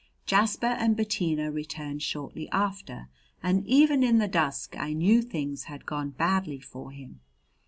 Jasper and Bettina returned shortly after, and even in the dusk I knew things had gone badly for him.